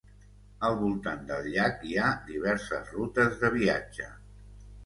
Al voltant del llac hi ha diverses rutes de viatge.